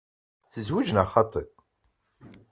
Tzewǧeḍ neɣ xaṭi?